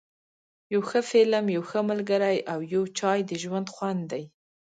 یو ښه فلم، یو ښه ملګری او یو چای ، د ژوند خوند دی.